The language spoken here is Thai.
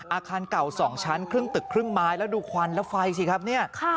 อาคารเก่า๒ชั้นครึ่งตึกครึ่งไม้แล้วดูควันแล้วไฟสิครับเนี่ย